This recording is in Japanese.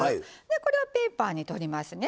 これをペーパーにとりますね。